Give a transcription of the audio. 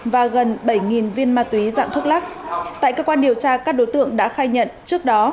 và gần bảy viên ma túy dạng thuốc lắc tại cơ quan điều tra các đối tượng đã khai nhận trước đó